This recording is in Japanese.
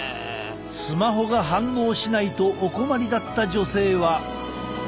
スマホが反応しないとお困りだった女性は。